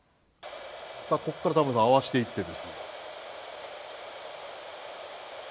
さあここからタモリさん合わせていってですね。